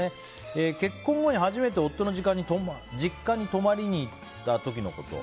結婚後に初めて夫の実家に泊まりに行った時のこと。